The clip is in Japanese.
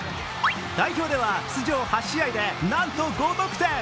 代表では出場８試合でなんと５得点。